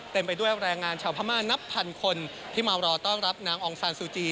ไปด้วยแรงงานชาวพม่านับพันคนที่มารอต้อนรับนางองซานซูจี